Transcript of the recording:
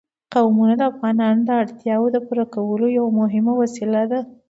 قومونه د افغانانو د اړتیاوو د پوره کولو یوه مهمه وسیله ده.